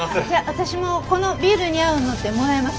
私もこのビールに合うのってもらえます？